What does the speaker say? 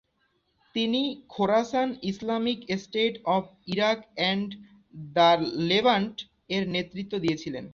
তিনি Khorasan Islamic State of Iraq and the Levant -এর নেতৃত্ব দিয়েছিলেন।